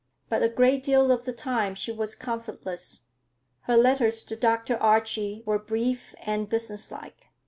But a great deal of the time she was comfortless. Her letters to Dr. Archie were brief and businesslike.